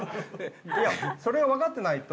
◆それが分かってないと。